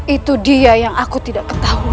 itu dia yang aku tidak ketahui